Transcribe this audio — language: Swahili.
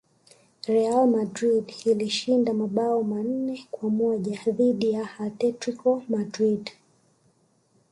real madrid ilishinda mabao manne kwa moja dhidi ya atletico madrid